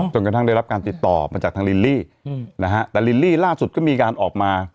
กระทั่งได้รับการติดต่อมาจากทางลิลลี่นะฮะแต่ลิลลี่ล่าสุดก็มีการออกมา